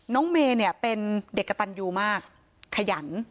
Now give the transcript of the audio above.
น้องเมย์เนี่ยเป็นเด็กกระตันยูมากขยัน